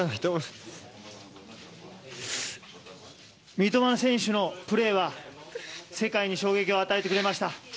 三笘選手のプレーは世界に衝撃を与えてくれました。